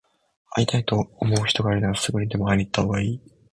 会いたいと思う人がいるなら、すぐにでも会いに行ったほうがいい。